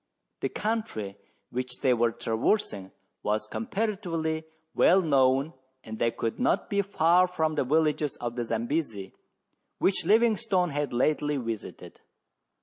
The country which they were traversing was comparatively well known and they could not be far from the villages of the Zambesi which Livingstone had lately visited.